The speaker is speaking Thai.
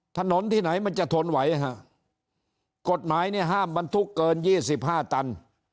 ถนนที่ไหนมันจะทนไหวฮะกฎหมายเนี่ยห้ามบรรทุกเกินยี่สิบห้าตัน